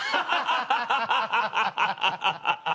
アハハハ！